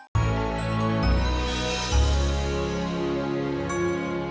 assalamualaikum warahmatullahi wabarakatuh